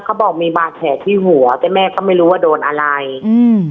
เขาบอกมีบาดแผลที่หัวแต่แม่ก็ไม่รู้ว่าโดนอะไรอืม